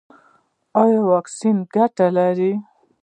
ایا واکسین ګټه لري؟